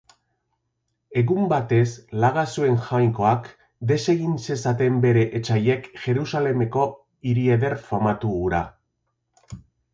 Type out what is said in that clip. Egun batez laga zuen jainkoak desegin zezaten bere etsaiek Jerusalemeko hiri eder famatu hura.